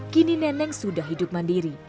kini neneng sudah hidup mandiri